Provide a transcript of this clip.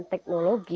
sama seperti